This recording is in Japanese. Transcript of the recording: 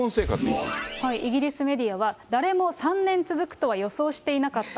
イギリスメディアは、誰も３年続くとは予想していなかった。